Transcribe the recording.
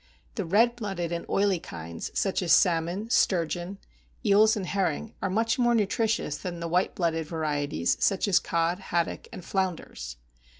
The red blooded and oily kinds, such as salmon, sturgeon, eels and herring, are much more nutritious than the white blooded varieties, such as cod, haddock, and flounders.